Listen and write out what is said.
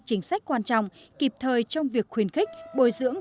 chính sách quan trọng kịp thời trong việc khuyến khích bồi dưỡng